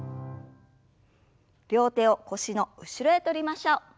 両手を腰の後ろへ取りましょう。